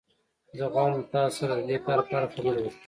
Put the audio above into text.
زه غواړم له تاسو سره د دې کار په اړه خبرې وکړم